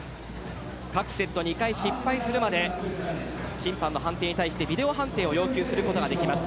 各セット、２回失敗するまで審判の判定に対してビデオ判定を要求することができます。